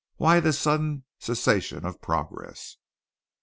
"Why this sudden cessation of progress?"